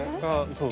そう。